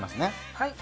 はい。